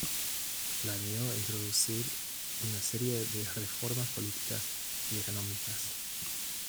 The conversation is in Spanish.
Planeó introducir una serie de reformas políticas y económicas.